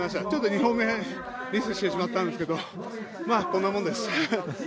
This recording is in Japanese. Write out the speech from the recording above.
ちょっと２本目ミスしてしまったんですがまあ、こんなもんです。